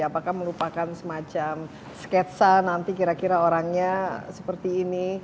apakah melupakan semacam sketsa nanti kira kira orangnya seperti ini